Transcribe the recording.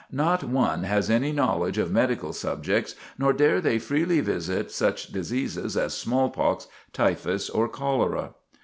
Not one has any knowledge of medical subjects, nor dare they freely visit such diseases as smallpox, typhus, or cholera.